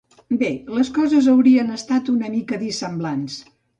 Bé, les coses haurien estat una mica dissemblants.